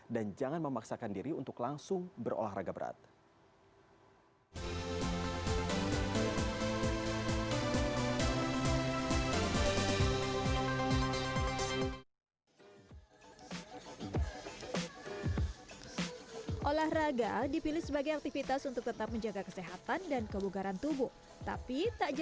dan jangan memaksakan diri untuk langsung berolahraga berat